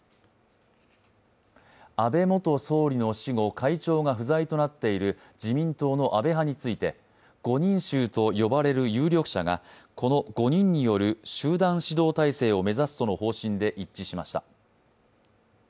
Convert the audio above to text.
安倍元総理の死後、会長が不在となっている自民党の安倍派について５人衆と呼ばれる有力者が有力者がこの５人による集団指導体制を目指すとの方針で一致しました。